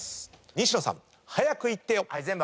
西野さん早くイッてよ！